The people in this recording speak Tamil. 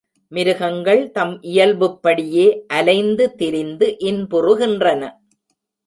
மிருகங்கள் தம் இயல்புப்படியே அலைந்து திரிந்து இன்புறுகின்றன.